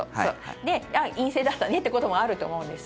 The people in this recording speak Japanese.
で、陰性だったねってこともあると思うんです。